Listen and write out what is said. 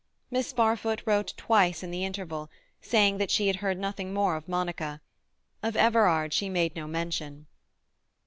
Miss Barfoot wrote twice in the interval, saying that she had heard nothing more of Monica. Of Everard she made no mention.